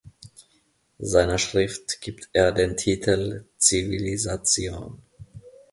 Seiner Schrift gibt er den Titel: „Zivilisation.